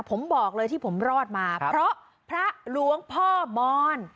ผมบอกเลยที่ผมรอดมาเพราะพระหลวงพ่อมอน